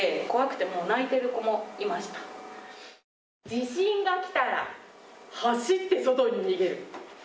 地震が来たら走って外に逃げる。